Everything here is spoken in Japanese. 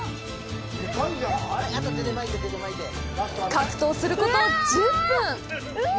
格闘すること１０分。